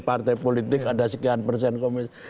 partai politik ada sekian persen